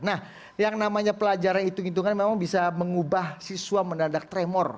nah yang namanya pelajaran hitung hitungan memang bisa mengubah siswa mendadak tremor